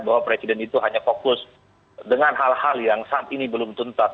bahwa presiden itu hanya fokus dengan hal hal yang saat ini belum tuntas